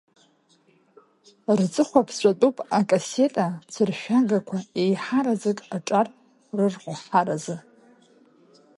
Рҵыхәа ԥҵәатәуп акассета цәыршәагақәа, еиҳараӡак аҿар рырхәҳаразы.